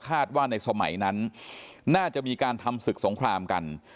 ว่าในสมัยนั้นน่าจะมีการทำศึกสงครามกัน